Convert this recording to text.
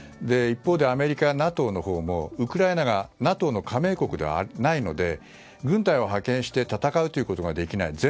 一方でアメリカＮＡＴＯのほうもウクライナがＮＡＴＯの加盟国ではないので軍隊を派遣して戦うということができない。